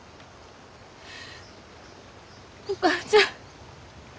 お母ちゃん。